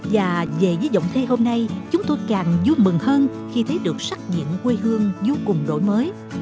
và về với giọng thê hôm nay chúng tôi càng vui mừng hơn khi thấy được sắc diện quê hương vô cùng đổi mới